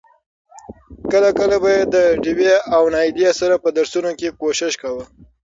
کله کله به يې د ډېوې او نايلې سره په درسونو کې کوشش کاوه.